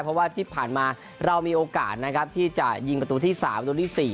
เพราะว่าที่ผ่านมาเรามีโอกาสนะครับที่จะยิงประตูที่๓ประตูที่๔